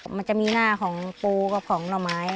มันจะมีหน้าของปูกับของหน่อไม้